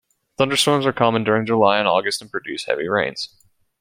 Thunderstorms are common during July and August and produce heavy rains.